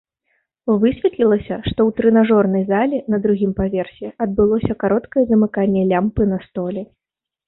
Высветлілася, што ў трэнажорнай зале на другім паверсе адбылося кароткае замыканне лямпы на столі.